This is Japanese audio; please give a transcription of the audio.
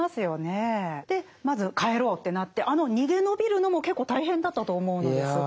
まず帰ろうってなってあの逃げ延びるのも結構大変だったと思うのですが。